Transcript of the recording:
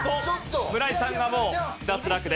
村井さんがもう脱落です。